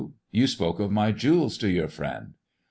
You spoke of my jewels to your friend